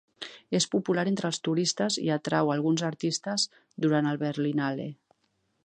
És popular entre els turistes i atrau alguns artistes duran el Berlinale.